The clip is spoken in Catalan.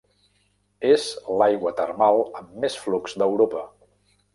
És l'aigua termal amb més flux d'Europa.